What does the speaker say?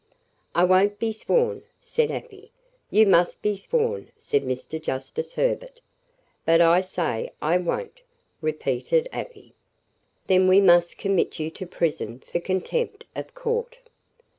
"I won't be sworn," said Afy. "You must be sworn," said Mr. Justice Herbert. "But I say I won't," repeated Afy. "Then we must commit you to prison for contempt of court."